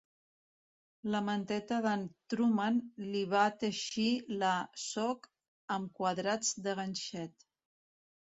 La manteta d'en Truman li va teixir la Sook amb quadrats de ganxet